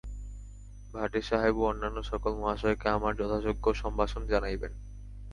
ভাটেসাহেব ও অন্যান্য সকল মহাশয়কে আমার যথাযোগ্য সম্ভাষণ জানাইবেন।